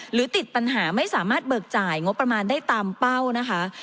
หรือติดปัญหาไม่สามารถเบิกจ่ายงบประมาณได้ตามเป้านะคะ